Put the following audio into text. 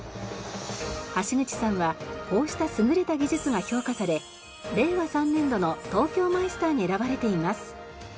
橋口さんはこうした優れた技術が評価され令和３年度の東京マイスターに選ばれています。